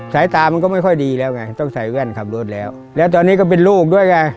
สายตามันก็ไม่ค่อยดีแล้วไงต้องใส่แว่นขับรถแล้วแล้วตอนนี้ก็เป็นลูกด้วยไง